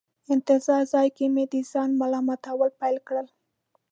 انتظار ځای کې مې د ځان ملامتول پیل کړل.